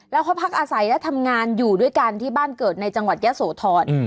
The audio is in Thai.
แล้วเขาพักอาศัยและทำงานอยู่ด้วยกันที่บ้านเกิดในจังหวัดยะโสธร